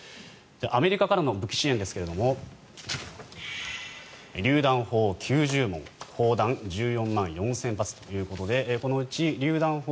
アメリカからの武器支援ですがりゅう弾砲９０門砲弾１４万４０００発ということでこのうちりゅう弾砲